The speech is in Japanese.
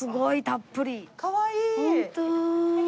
かわいい！